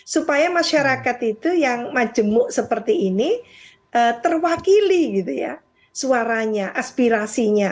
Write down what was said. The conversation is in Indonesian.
supaya masyarakat itu yang majemuk seperti ini terwakili gitu ya suaranya aspirasinya